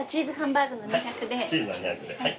チーズの２００で。